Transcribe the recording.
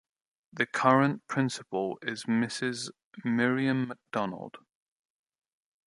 The current principal is Mrs. Miriam McDonald.